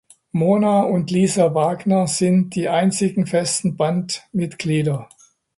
Mona und Lisa Wagner sind die einzigen festen Bandmitglieder.